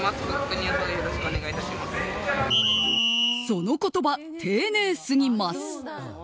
その言葉、丁寧すぎます！